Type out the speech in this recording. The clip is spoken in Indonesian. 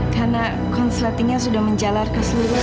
karena konsletingnya sudah menjalan ke seluruh rumah